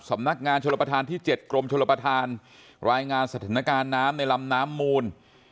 สำนักงานชนประธานที่๗กรมชลประธานรายงานสถานการณ์น้ำในลำน้ำมูล